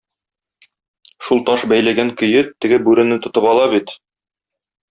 Шул таш бәйләгән көе, теге бүрене тотып ала бит.